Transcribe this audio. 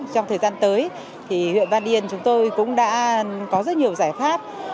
trong thời gian tới thì huyện văn yên chúng tôi cũng đã có rất nhiều giải pháp